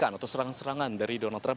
atau serangan serangan dari donald trump